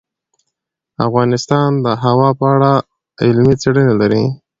افغانستان د هوا په اړه علمي څېړنې لري.